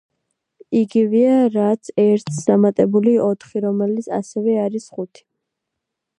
იგივეა რაც ერთს დამატებული ოთხი, რომელიც ასევე არის ხუთი.